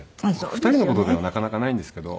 ２人の事ではなかなかないんですけど。